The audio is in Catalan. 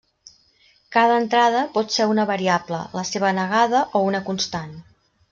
Cada entrada pot ser una variable, la seva negada o una constant.